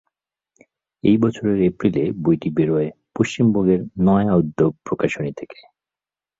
একই বছরের এপ্রিলে বইটি বেরোয় পশ্চিমবঙ্গের "নয়া উদ্যোগ" প্রকাশনী থেকে।